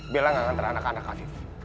bella gak ngantar anak anak afif